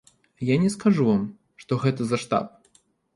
Я не скажу вам, што гэта за штаб.